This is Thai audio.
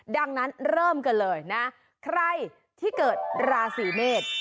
ดังนั้นเริ่มกันเลยนะใครที่เกิดราศีเมษ